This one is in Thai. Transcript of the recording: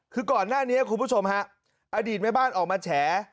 คือก่อนหน้านี้คุณผู้ชมฮะอดีตแม่บ้านออกมาแฉ